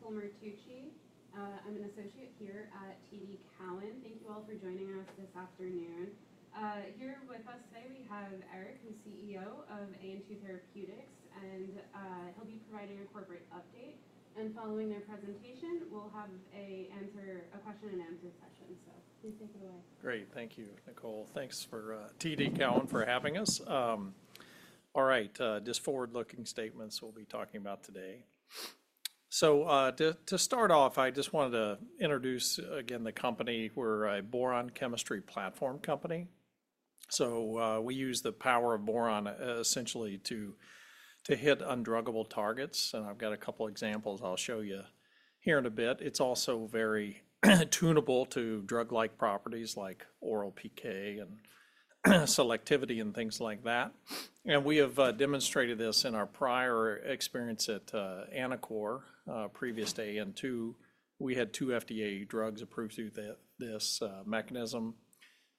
My name's Nicole Martucci. I'm an associate here at TD Cowen. Thank you all for joining us this afternoon. Here with us today, we have Eric, who's CEO of AN2 Therapeutics, and he'll be providing a corporate update. Following their presentation, we'll have a question-and-answer session. Please take it away. Great. Thank you, Nicole. Thanks for TD Cowen for having us. All right, just forward-looking statements we'll be talking about today. To start off, I just wanted to introduce again the company. We're a boron chemistry platform company. We use the power of boron essentially to hit undruggable targets. I've got a couple of examples I'll show you here in a bit. It's also very tunable to drug-like properties like oral PK and selectivity and things like that. We have demonstrated this in our prior experience at Anacor, previous to AN2. We had two FDA drugs approved through this mechanism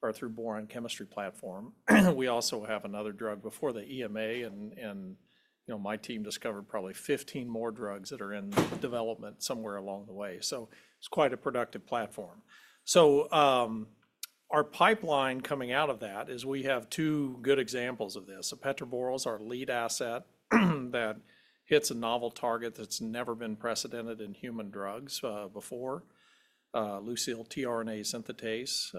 or through boron chemistry platform. We also have another drug before the EMA, and my team discovered probably 15 more drugs that are in development somewhere along the way. It's quite a productive platform. Our pipeline coming out of that is we have two good examples of this. Epetraborole is our lead asset that hits a novel target that's never been precedented in human drugs before: LeuRS, leucyl-tRNA synthetase.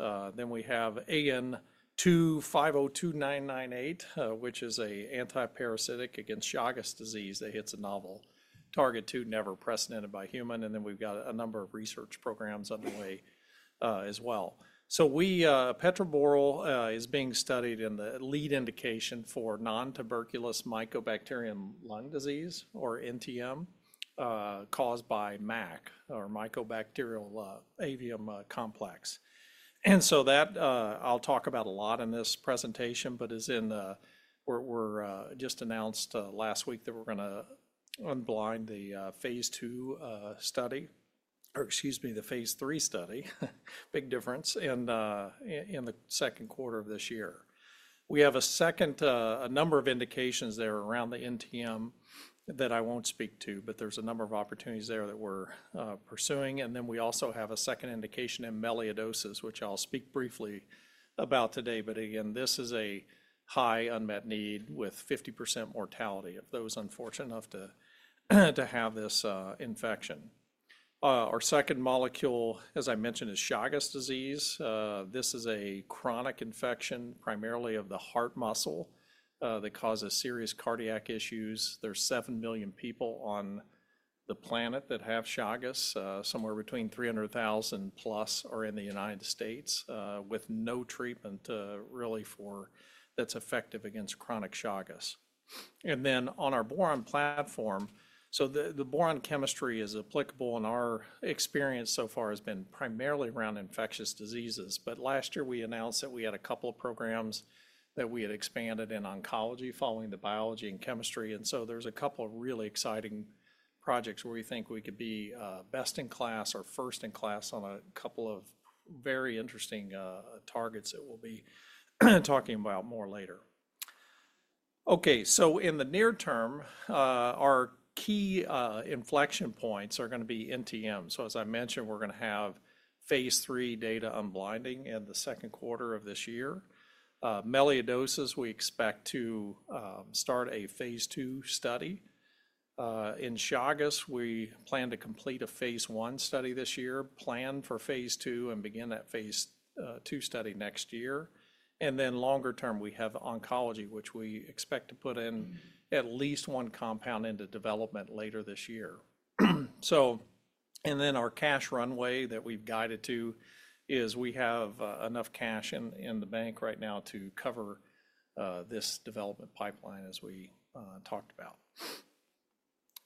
We have AN2-502998, which is an antiparasitic against Chagas disease that hits a novel target too, never precedented by human. We have a number of research programs underway as well. Epetraborole is being studied in the lead indication for nontuberculous mycobacteria lung disease, or NTM, caused by MAC, or Mycobacterium avium complex. I will talk about that a lot in this presentation, but we just announced last week that we're going to unblind the phase III study, big difference, in the second quarter of this year. We have a number of indications there around the NTM that I won't speak to, but there's a number of opportunities there that we're pursuing. We also have a second indication in melioidosis, which I'll speak briefly about today. Again, this is a high unmet need with 50% mortality of those unfortunate enough to have this infection. Our second molecule, as I mentioned, is Chagas disease. This is a chronic infection primarily of the heart muscle that causes serious cardiac issues. There's 7 million people on the planet that have Chagas, somewhere between 300,000 plus are in the United States with no treatment really that's effective against chronic Chagas. On our boron platform, the boron chemistry is applicable, and our experience so far has been primarily around infectious diseases. Last year, we announced that we had a couple of programs that we had expanded in oncology following the biology and chemistry. There are a couple of really exciting projects where we think we could be best in class or first in class on a couple of very interesting targets that we'll be talking about more later. In the near term, our key inflection points are going to be NTM. As I mentioned, we're going to have phase III data unblinding in the second quarter of this year. Melioidosis, we expect to start a phase II study. In Chagas, we plan to complete a phase I study this year, plan for phase II, and begin that phase II study next year. Longer term, we have oncology, which we expect to put in at least one compound into development later this year. Our cash runway that we've guided to is we have enough cash in the bank right now to cover this development pipeline, as we talked about,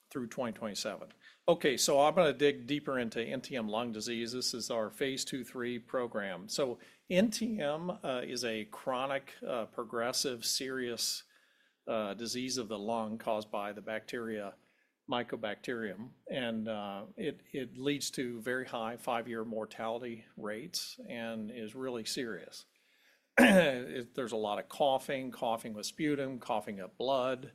through 2027. Okay, I'm going to dig deeper into NTM lung disease. This is our phase II, III program. NTM is a chronic, progressive, serious disease of the lung caused by the bacteria Mycobacterium. It leads to very high five-year mortality rates and is really serious. There's a lot of coughing, coughing with sputum, coughing up blood,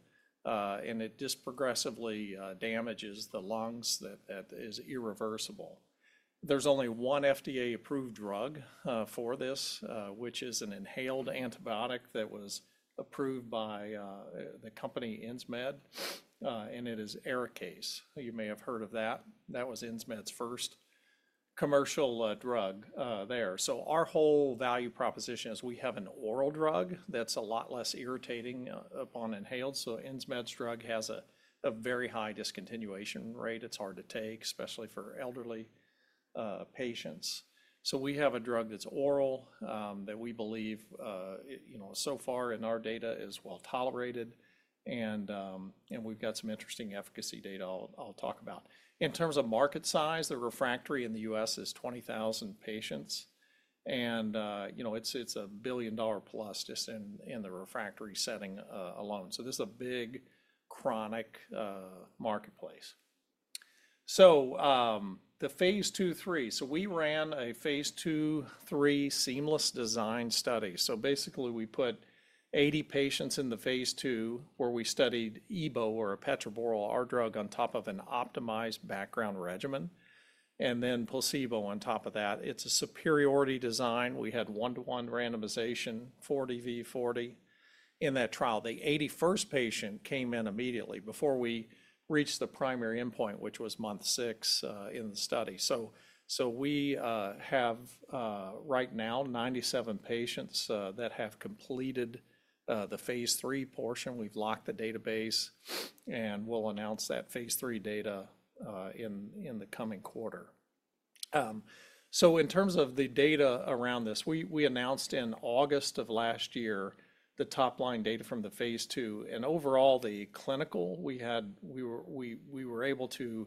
and it just progressively damages the lungs that is irreversible. There's only one FDA-approved drug for this, which is an inhaled antibiotic that was approved by the company Insmed, and it is Arikayce. You may have heard of that. That was Insmed's first commercial drug there. Our whole value proposition is we have an oral drug that's a lot less irritating upon inhaled. Insmed's drug has a very high discontinuation rate. It's hard to take, especially for elderly patients. We have a drug that's oral that we believe, so far in our data, is well tolerated. We've got some interesting efficacy data I'll talk about. In terms of market size, the refractory in the U.S. is 20,000 patients. It's a $1 billion plus just in the refractory setting alone. This is a big chronic marketplace. The phase II/III, we ran a phase II/III seamless design study. Basically, we put 80 patients in the phase II where we studied EBO, or epetraborole, our drug on top of an optimized background regimen, and then placebo on top of that. It's a superiority design. We had one-to-one randomization, 40 v 40 in that trial. The 81st patient came in immediately before we reached the primary endpoint, which was month six in the study. We have right now 97 patients that have completed the phase III portion. We have locked the database, and we will announce that phase III data in the coming quarter. In terms of the data around this, we announced in August of last year the top line data from the phase II. Overall, the clinical, we were able to,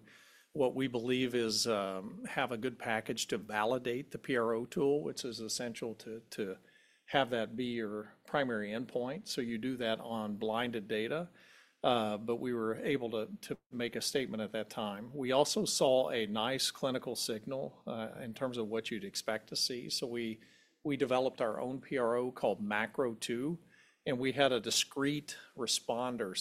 what we believe, have a good package to validate the PRO tool, which is essential to have that be your primary endpoint. You do that on blinded data. We were able to make a statement at that time. We also saw a nice clinical signal in terms of what you would expect to see. We developed our own PRO called MACRO-2. We had a discrete responder.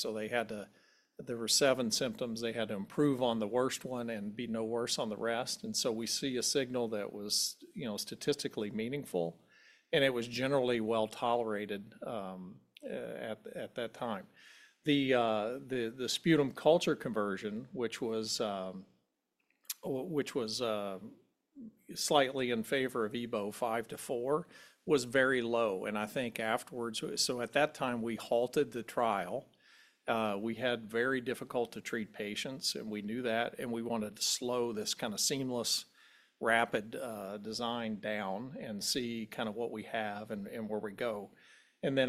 There were seven symptoms. They had to improve on the worst one and be no worse on the rest. We see a signal that was statistically meaningful, and it was generally well tolerated at that time. The sputum culture conversion, which was slightly in favor of EBO, five to four, was very low. I think afterwards, at that time, we halted the trial. We had very difficult-to-treat patients, and we knew that. We wanted to slow this kind of seamless, rapid design down and see kind of what we have and where we go.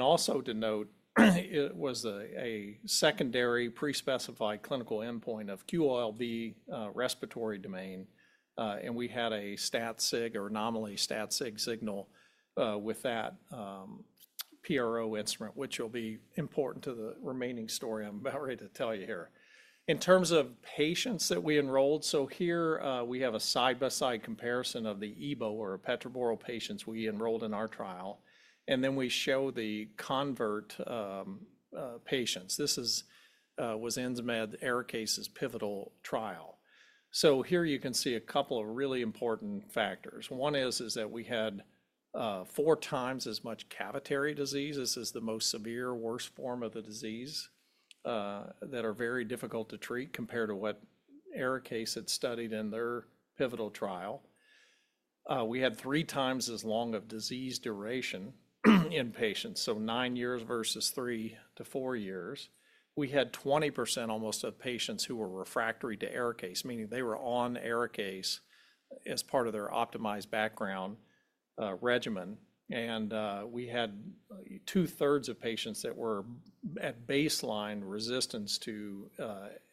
Also to note, it was a secondary pre-specified clinical endpoint of QOL-B respiratory domain. We had a stat sig, or nominally stat sig signal with that PRO instrument, which will be important to the remaining story I'm about ready to tell you here. In terms of patients that we enrolled, here we have a side-by-side comparison of the EBO, or epetraborole patients we enrolled in our trial. Then we show the convert patients. This was Insmed, Arikayce's pivotal trial. Here you can see a couple of really important factors. One is that we had four times as much cavitary disease. This is the most severe, worst form of the disease that are very difficult to treat compared to what Arikayce had studied in their pivotal trial. We had three times as long of disease duration in patients, so nine years versus three to four years. We had 20% almost of patients who were refractory to Arikayce, meaning they were on Arikayce as part of their optimized background regimen. We had two-thirds of patients that were at baseline resistance to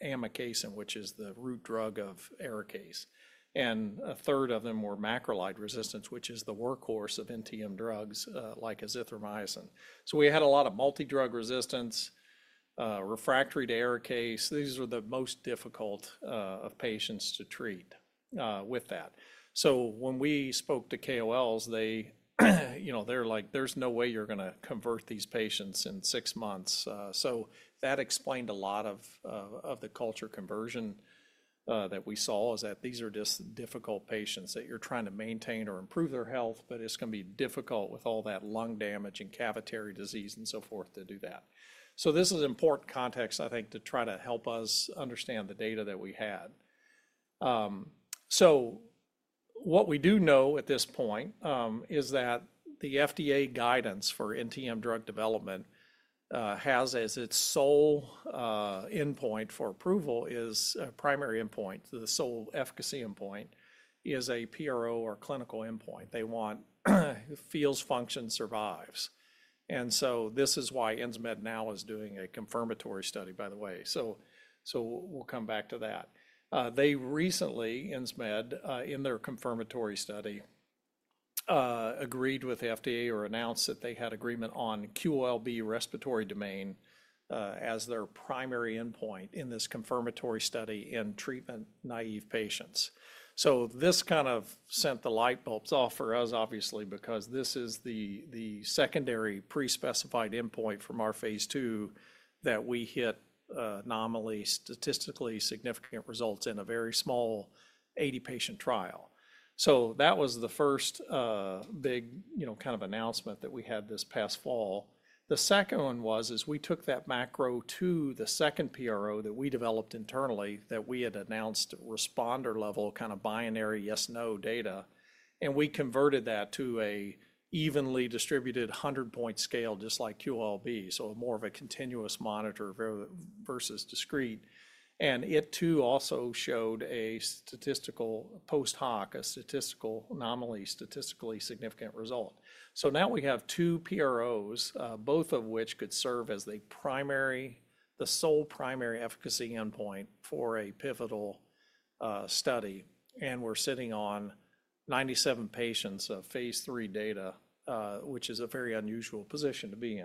amikacin, which is the root drug of Arikayce. A third of them were macrolide resistance, which is the workhorse of NTM drugs like azithromycin. We had a lot of multi-drug resistance, refractory to Arikayce. These were the most difficult of patients to treat with that. When we spoke to KOLs, they're like, "There's no way you're going to convert these patients in six months." That explained a lot of the culture conversion that we saw, is that these are just difficult patients that you're trying to maintain or improve their health, but it's going to be difficult with all that lung damage and cavitary disease and so forth to do that. This is important context, I think, to try to help us understand the data that we had. What we do know at this point is that the FDA guidance for NTM drug development has as its sole endpoint for approval a primary endpoint. The sole efficacy endpoint is a PRO or clinical endpoint. They want feels function survives. This is why Insmed now is doing a confirmatory study, by the way. We will come back to that. They recently, Insmed, in their confirmatory study, agreed with FDA or announced that they had agreement on QOL-B respiratory domain as their primary endpoint in this confirmatory study in treatment naive patients. This kind of sent the light bulbs off for us, obviously, because this is the secondary pre-specified endpoint from our phase II that we hit nominally statistically significant results in a very small 80-patient trial. That was the first big kind of announcement that we had this past fall. The second one was, we took that MACRO-2, the second PRO that we developed internally, that we had announced responder level kind of binary yes/no data. We converted that to an evenly distributed 100-point scale, just like QOL-B, so more of a continuous monitor versus discrete. It too also showed a statistical post hoc, a statistical, nominally, statistically significant result. Now we have two PROs, both of which could serve as the sole primary efficacy endpoint for a pivotal study. We're sitting on 97 patients of phase III data, which is a very unusual position to be in.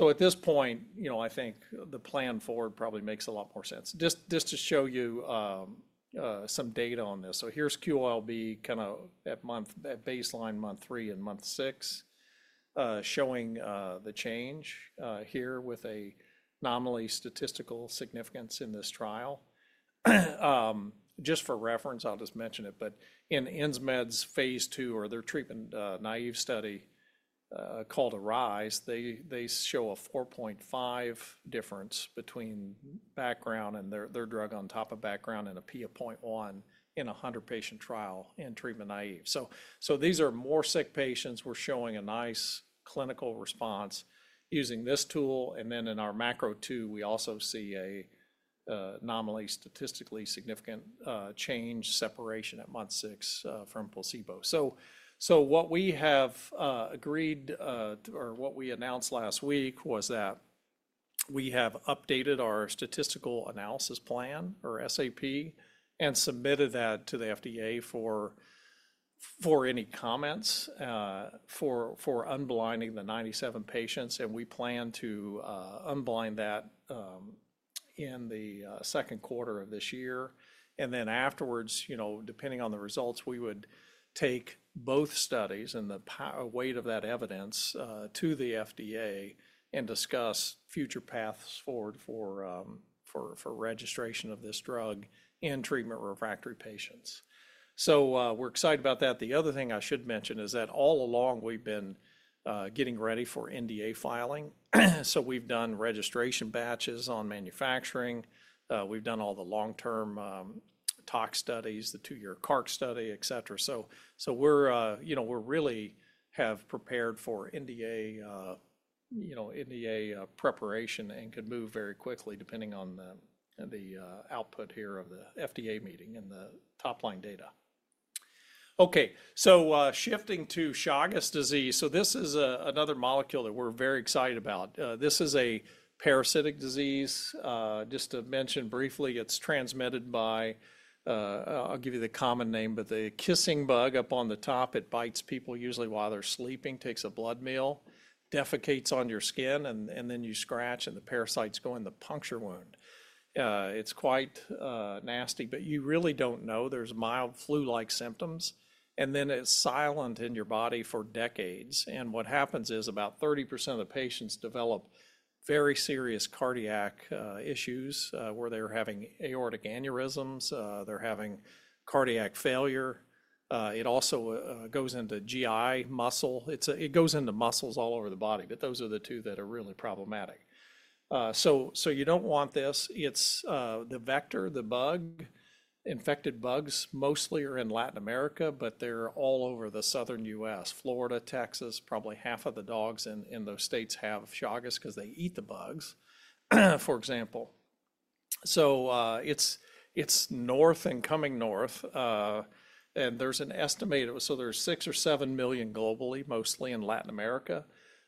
At this point, I think the plan forward probably makes a lot more sense. Just to show you some data on this. Here's QOL-B kind of at baseline, month three, and month six, showing the change here with nominal statistical significance in this trial. Just for reference, I'll just mention it. In Insmed's phase II, or their treatment-naive study called ARISE, they show a 4.5 difference between background and their drug on top of background and a P of 0.1 in a 100-patient trial in treatment-naive. These are more sick patients. We're showing a nice clinical response using this tool. In our MACRO-2, we also see an anomaly statistically significant change separation at month six from placebo. What we have agreed, or what we announced last week, was that we have updated our statistical analysis plan, or SAP, and submitted that to the FDA for any comments for unblinding the 97 patients. We plan to unblind that in the second quarter of this year. Afterwards, depending on the results, we would take both studies and the weight of that evidence to the FDA and discuss future paths forward for registration of this drug in treatment refractory patients. We're excited about that. The other thing I should mention is that all along, we've been getting ready for NDA filing. We've done registration batches on manufacturing. We've done all the long-term tox studies, the two-year carcinogenicity study, etc. We really have prepared for NDA preparation and could move very quickly, depending on the output here of the FDA meeting and the top line data. Shifting to Chagas disease. This is another molecule that we're very excited about. This is a parasitic disease. Just to mention briefly, it's transmitted by, I'll give you the common name, but the kissing bug up on the top. It bites people usually while they're sleeping, takes a blood meal, defecates on your skin, and then you scratch, and the parasites go in the puncture wound. It's quite nasty, but you really don't know. There's mild flu-like symptoms. Then it's silent in your body for decades. What happens is about 30% of the patients develop very serious cardiac issues where they're having aortic aneurysms. They're having cardiac failure. It also goes into GI muscle. It goes into muscles all over the body, but those are the two that are really problematic. You don't want this. The vector, the bug, infected bugs mostly are in Latin America, but they're all over the southern U.S., Florida, Texas. Probably half of the dogs in those states have Chagas because they eat the bugs, for example. It is north and coming north. There is an estimate, so there are six or seven million globally, mostly in Latin America.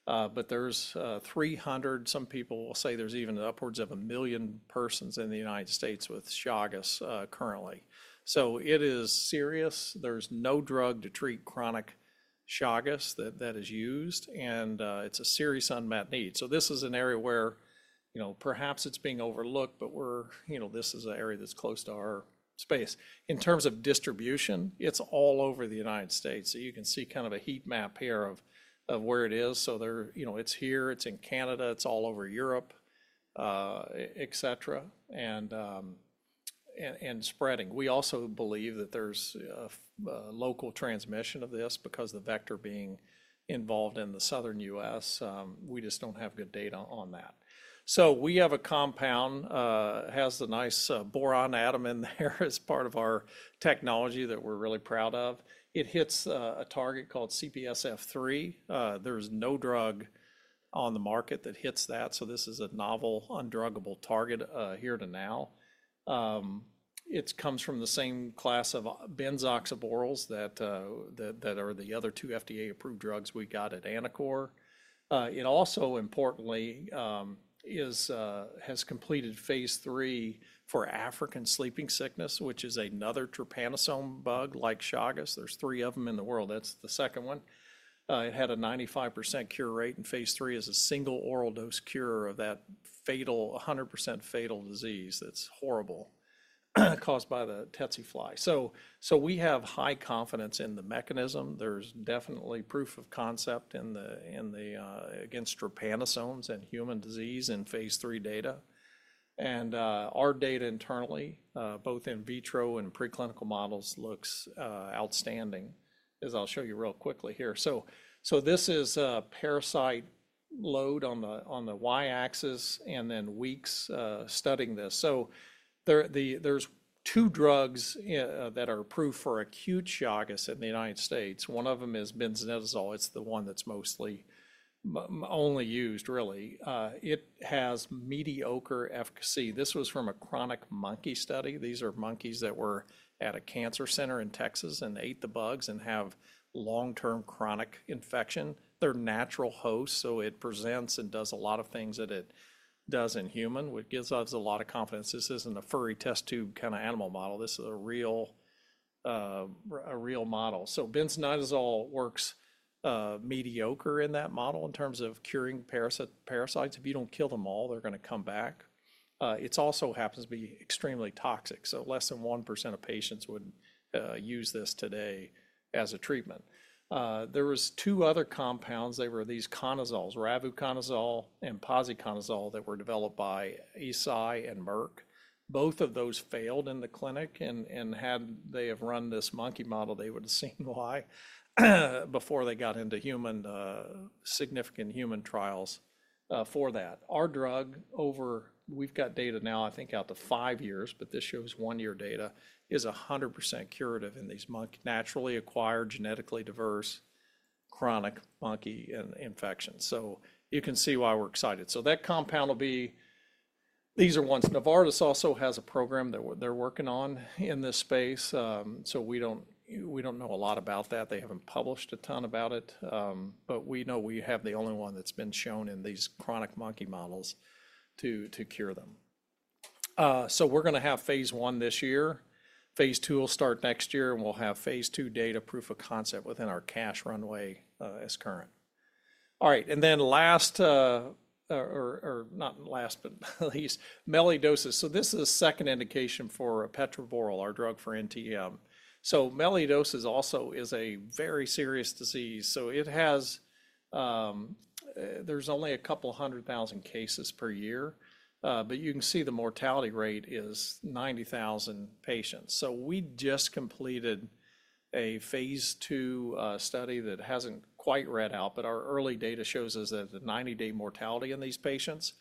There are 300, some people will say there are even upwards of a million persons in the United States with Chagas currently. It is serious. There is no drug to treat chronic Chagas that is used. It is a serious unmet need. This is an area where perhaps it is being overlooked, but this is an area that is close to our space. In terms of distribution, it is all over the United States. You can see kind of a heat map here of where it is. It is here, it is in Canada, it is all over Europe, etc., and spreading. We also believe that there's local transmission of this because the vector being involved in the southern U.S., we just don't have good data on that. We have a compound, has the nice boron atom in there as part of our technology that we're really proud of. It hits a target called CPSF3. There's no drug on the market that hits that. This is a novel undruggable target here to now. It comes from the same class of benzoxaboroles that are the other two FDA-approved drugs we got at Anacor. It also, importantly, has completed phase III for African sleeping sickness, which is another trypanosome bug like Chagas. There are three of them in the world. That's the second one. It had a 95% cure rate, and phase III is a single oral dose cure of that 100% fatal disease that's horrible caused by the tsetse fly. We have high confidence in the mechanism. There's definitely proof of concept against trypanosomes and human disease in phase III data. Our data internally, both in vitro and preclinical models, looks outstanding, as I'll show you real quickly here. This is parasite load on the Y axis and then weeks studying this. There are two drugs that are approved for acute Chagas in the United States. One of them is benznidazole. It's the one that's mostly only used, really. It has mediocre efficacy. This was from a chronic monkey study. These are monkeys that were at a cancer center in Texas and ate the bugs and have long-term chronic infection. They're natural hosts, so it presents and does a lot of things that it does in human, which gives us a lot of confidence. This isn't a furry test tube kind of animal model. This is a real model. So benznidazole works mediocre in that model in terms of curing parasites. If you don't kill them all, they're going to come back. It also happens to be extremely toxic. So less than 1% of patients would use this today as a treatment. There were two other compounds. They were these conazoles, ravuconazole and posaconazole, that were developed by Eisai and Merck. Both of those failed in the clinic. Had they run this monkey model, they would have seen why before they got into significant human trials for that. Our drug, we've got data now, I think, out to five years, but this shows one-year data, is 100% curative in these naturally acquired, genetically diverse, chronic monkey infections. You can see why we're excited. That compound will be these are ones. Novartis also has a program they're working on in this space. We do not know a lot about that. They have not published a ton about it. We know we have the only one that has been shown in these chronic monkey models to cure them. We are going to have phase I this year. phase II will start next year. We will have phase II data, proof of concept within our cash runway as current. All right. Last, or not last, but at least, melioidosis. This is a second indication for epetraborole, our drug for NTM. Melioidosis also is a very serious disease. There are only a couple of hundred thousand cases per year. You can see the mortality rate is 90,000 patients. We just completed a phase II study that has not quite read out. Our early data shows us that the 90-day mortality in these patients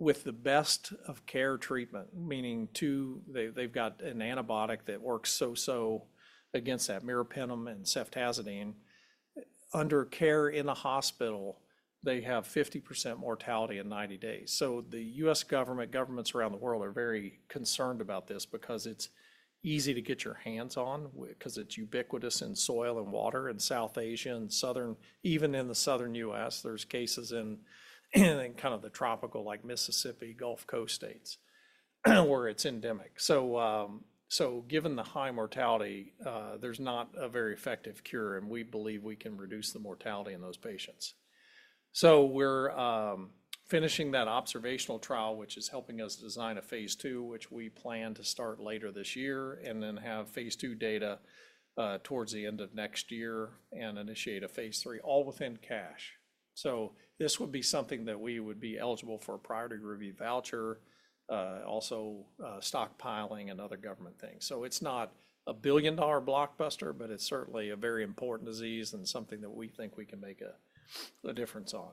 with the best of care treatment, meaning they've got an antibiotic that works so-so against that, meropenem and ceftazidime. Under care in a hospital, they have 50% mortality in 90 days. The U.S. government, governments around the world are very concerned about this because it's easy to get your hands on because it's ubiquitous in soil and water in South Asia and even in the southern U.S., there's cases in kind of the tropical, like Mississippi, Gulf Coast states, where it's endemic. Given the high mortality, there's not a very effective cure. We believe we can reduce the mortality in those patients. We're finishing that observational trial, which is helping us design a phase II, which we plan to start later this year and then have phase II data towards the end of next year and initiate a phase III, all within cash. This would be something that we would be eligible for a priority review voucher, also stockpiling and other government things. It's not a billion-dollar blockbuster, but it's certainly a very important disease and something that we think we can make a difference on.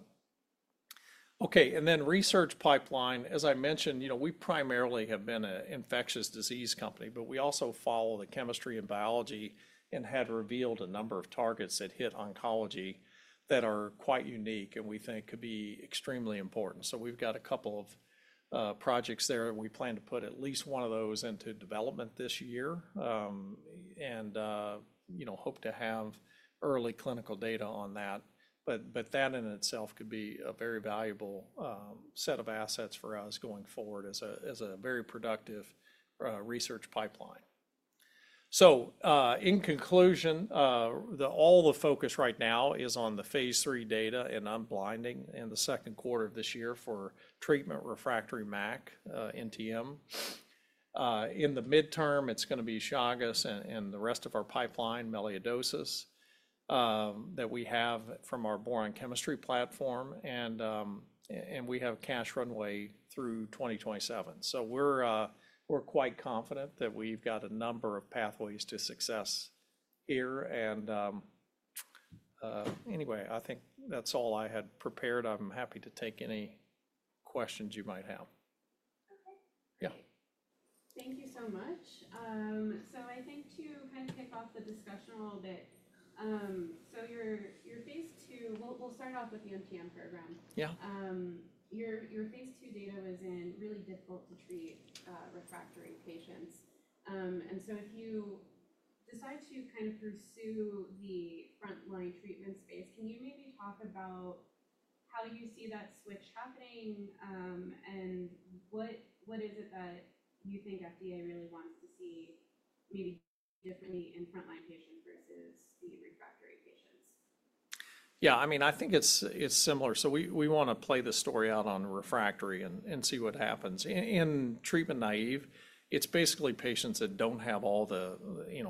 Okay, and then research pipeline. As I mentioned, we primarily have been an infectious disease company, but we also follow the chemistry and biology and had revealed a number of targets that hit oncology that are quite unique and we think could be extremely important. We've got a couple of projects there. We plan to put at least one of those into development this year and hope to have early clinical data on that. That in itself could be a very valuable set of assets for us going forward as a very productive research pipeline. In conclusion, all the focus right now is on the phase III data and unblinding in the second quarter of this year for treatment refractory MAC, NTM. In the midterm, it is going to be Chagas and the rest of our pipeline, melioidosis, that we have from our boron chemistry platform. We have cash runway through 2027. We are quite confident that we have a number of pathways to success here. I think that is all I had prepared. I am happy to take any questions you might have. Okay. Thank you so much. I think to kind of kick off the discussion a little bit, your phase II, we'll start off with the NTM program. Your phase II data was in really difficult-to-treat refractory patients. If you decide to kind of pursue the front-line treatment space, can you maybe talk about how you see that switch happening and what is it that you think FDA really wants to see maybe differently in front-line patients versus the refractory patients? Yeah, I mean, I think it's similar. We want to play the story out on refractory and see what happens. In treatment naive, it's basically patients that don't have all the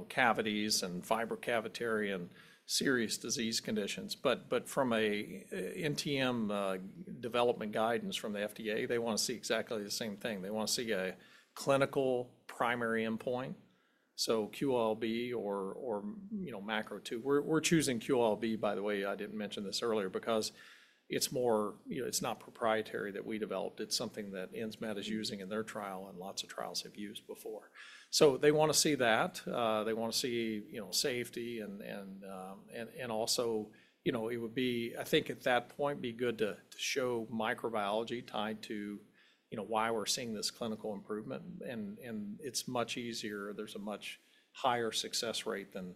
cavities and fibrocavitary and serious disease conditions. From an NTM development guidance from the FDA, they want to see exactly the same thing. They want to see a clinical primary endpoint, so QOL-B or MACRO-2. We're choosing QOL-B, by the way. I didn't mention this earlier because it's not proprietary that we developed. It's something that Insmed is using in their trial and lots of trials have used before. They want to see that. They want to see safety. Also, it would be, I think at that point, good to show microbiology tied to why we're seeing this clinical improvement. It's much easier. There's a much higher success rate than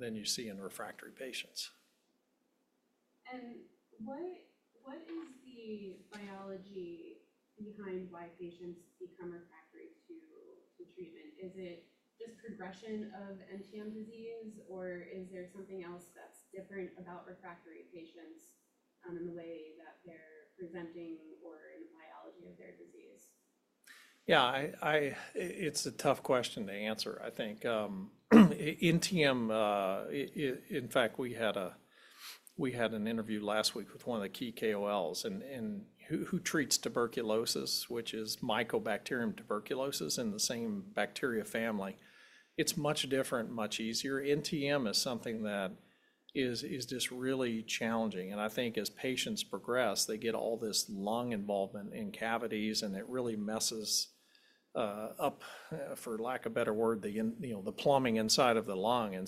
you see in refractory patients. What is the biology behind why patients become refractory to treatment? Is it just progression of NTM disease, or is there something else that's different about refractory patients in the way that they're presenting or in the biology of their disease? Yeah, it's a tough question to answer, I think. In fact, we had an interview last week with one of the key KOLs who treats tuberculosis, which is Mycobacterium tuberculosis in the same bacteria family. It's much different, much easier. NTM is something that is just really challenging. I think as patients progress, they get all this lung involvement in cavities, and it really messes up, for lack of a better word, the plumbing inside of the lung. It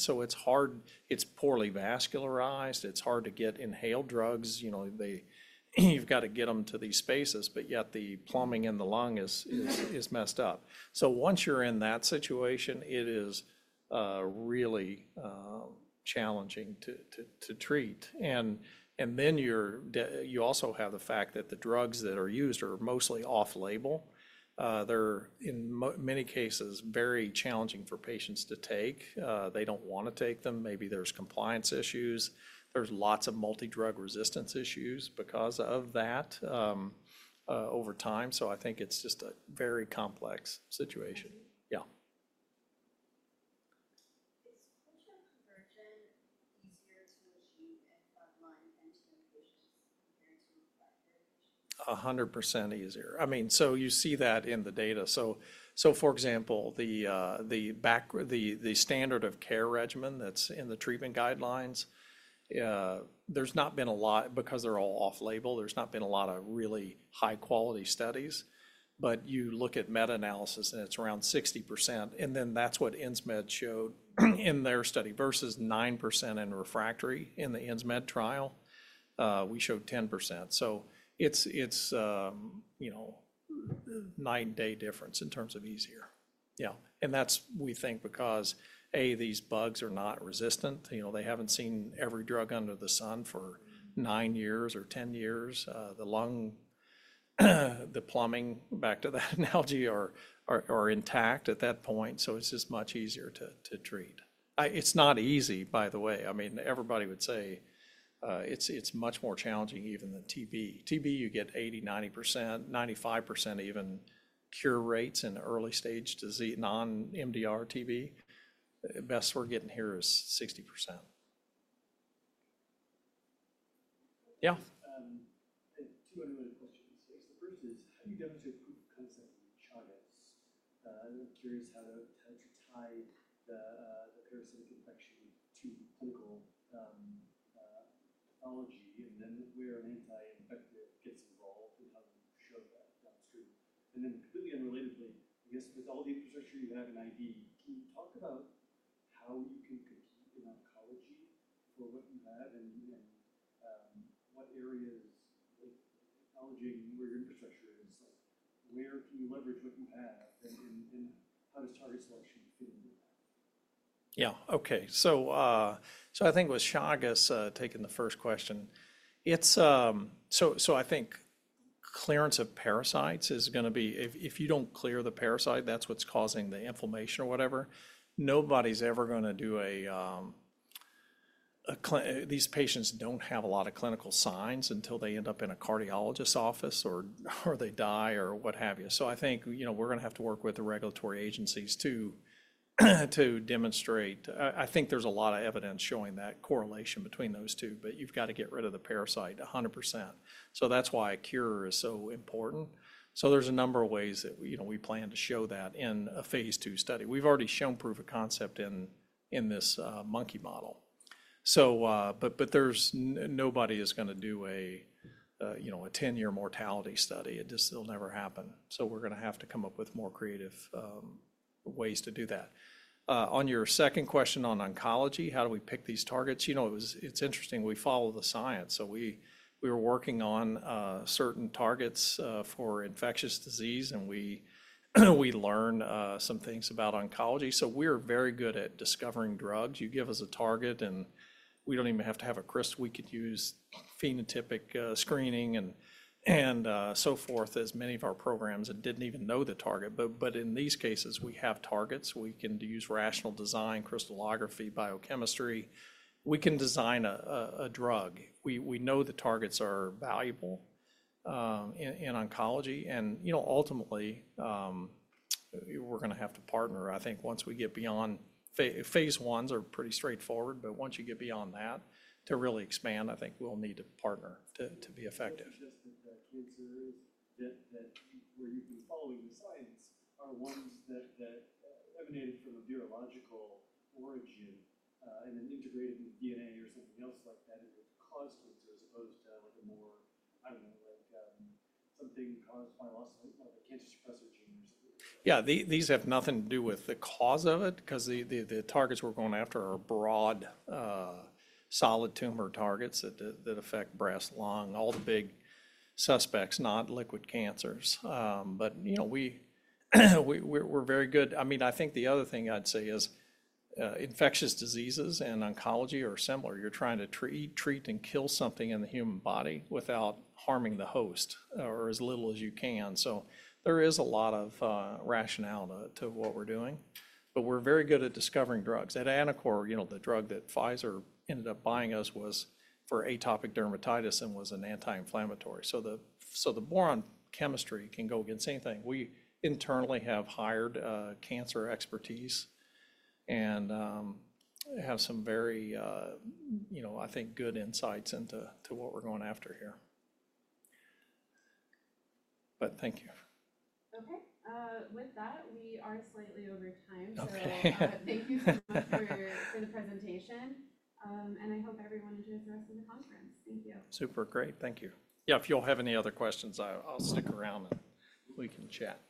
is poorly vascularized. It's hard to get inhaled drugs. You've got to get them to these spaces, but yet the plumbing in the lung is messed up. Once you're in that situation, it is really challenging to treat. You also have the fact that the drugs that are used are mostly off-label. They're, in many cases, very challenging for patients to take. They don't want to take them. Maybe there's compliance issues. There's lots of multi-drug resistance issues because of that over time. I think it's just a very complex situation. Yeah. Is culture conversion easier to achieve in front-line NTM patients compared to refractory patients? 100% easier. I mean, you see that in the data. For example, the standard of care regimen that's in the treatment guidelines, there's not been a lot because they're all off-label. There's not been a lot of really high-quality studies. You look at meta-analysis, and it's around 60%. That's what Insmed showed in their study versus 9% in refractory in the Insmed trial. We showed 10%. It's a night-and-day difference in terms of easier. Yeah. That's, we think, because, A, these bugs are not resistant. They haven't seen every drug under the sun for nine years or ten years. The plumbing, back to that analogy, are intact at that point. It's just much easier to treat. It's not easy, by the way. I mean, everybody would say it's much more challenging, even the TB. TB, you get 80%, 90%, 95% even cure rates in early-stage non-MDR TB. The best we're getting here is 60%. Yeah. Two unrelated questions. The first is, how do you demonstrate proof of concept in Chagas? I'm curious how to tie the parasitic infection to clinical pathology and then where an anti-infective gets involved and how you show that downstream. Completely unrelatedly, I guess, with all the infrastructure you have in ID, can you talk about how you can compete in oncology for what you have and what areas acknowledging where your infrastructure is? Where can you leverage what you have and how does target selection fit into that? Yeah. Okay. I think with Chagas, taking the first question, I think clearance of parasites is going to be, if you don't clear the parasite, that's what's causing the inflammation or whatever, nobody's ever going to do a, these patients don't have a lot of clinical signs until they end up in a cardiologist's office or they die or what have you. I think we're going to have to work with the regulatory agencies to demonstrate. I think there's a lot of evidence showing that correlation between those two, but you've got to get rid of the parasite 100%. That's why a cure is so important. There are a number of ways that we plan to show that in a phase II study. We've already shown proof of concept in this monkey model. Nobody is going to do a 10-year mortality study. It just will never happen. We're going to have to come up with more creative ways to do that. On your second question on oncology, how do we pick these targets? It's interesting. We follow the science. We were working on certain targets for infectious disease, and we learned some things about oncology. We're very good at discovering drugs. You give us a target, and we don't even have to have a crystal. We could use phenotypic screening and so forth as many of our programs that didn't even know the target. In these cases, we have targets. We can use rational design, crystallography, biochemistry. We can design a drug. We know the targets are valuable in oncology. Ultimately, we're going to have to partner, I think, once we get beyond phase I are pretty straightforward. Once you get beyond that to really expand, I think we'll need to partner to be effective. Just that cancers that where you've been following the science are ones that emanated from a virological origin and then integrated with DNA or something else like that and caused cancer as opposed to a more, I don't know, something caused by cancer suppressor genes or something. Yeah, these have nothing to do with the cause of it because the targets we're going after are broad solid tumor targets that affect breast, lung, all the big suspects, not liquid cancers. I mean, I think the other thing I'd say is infectious diseases and oncology are similar. You're trying to treat and kill something in the human body without harming the host or as little as you can. There is a lot of rationale to what we're doing. We're very good at discovering drugs. At Anacor, the drug that Pfizer ended up buying us was for atopic dermatitis and was an anti-inflammatory. The boron chemistry can go against anything. We internally have hired cancer expertise and have some very, I think, good insights into what we're going after here. Thank you. Okay. With that, we are slightly over time. Thank you so much for the presentation. I hope everyone enjoys the rest of the conference. Thank you. Super great. Thank you. Yeah, if you all have any other questions, I'll stick around and we can chat.